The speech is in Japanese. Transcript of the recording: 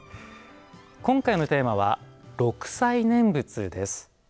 今回のテーマは六斎念仏です。